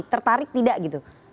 tertarik tidak gitu